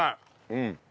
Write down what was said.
うん。